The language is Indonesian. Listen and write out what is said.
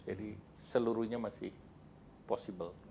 jadi seluruhnya masih possible